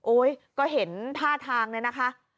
ก็เห็นท่าทางเลยนะคะ